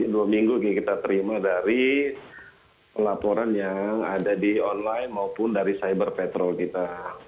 dua minggu kita terima dari laporan yang ada di online maupun dari cyber petrol kita